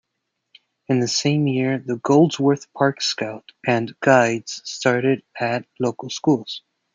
In the same year the Goldsworth Park Scout and Guides started at local schools.